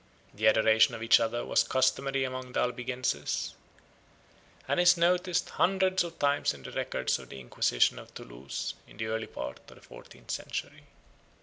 The adoration of each other was customary among the Albigenses, and is noticed hundreds of times in the records of the Inquisition at Toulouse in the early part of the fourteenth century.